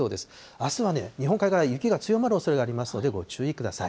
あすは日本海側、雪が強まるおそれがありますので、ご注意ください。